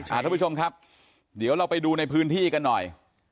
ทุกผู้ชมครับเดี๋ยวเราไปดูในพื้นที่กันหน่อย